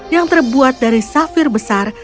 yang terbuat dari safir besar